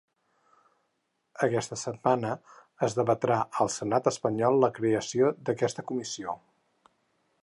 Aquesta setmana, es debatrà al senat espanyol la creació d’aquesta comissió.